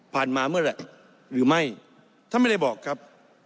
มาเมื่อไหร่หรือไม่ท่านไม่ได้บอกครับ